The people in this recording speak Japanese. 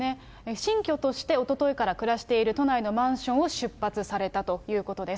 新居としておとといから暮らしている都内のマンションを出発されたということです。